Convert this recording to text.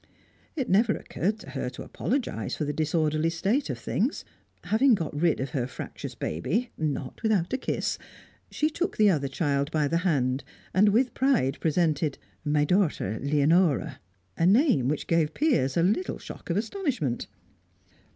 It never occurred to her to apologise for the disorderly state of things. Having got rid of her fractious baby not without a kiss she took the other child by the hand and with pride presented "My daughter Leonora" a name which gave Piers a little shock of astonishment.